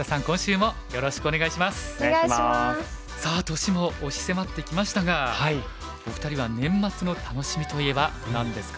さあ年も押し迫ってきましたがお二人は年末の楽しみといえば何ですか？